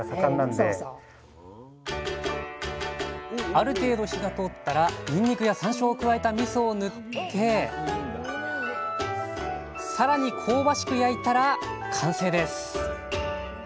ある程度火が通ったらにんにくやさんしょうを加えたみそを塗ってさらに香ばしく焼いたら完成です